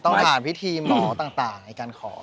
ต้องอ่านพิธีหมอต่างในการขอ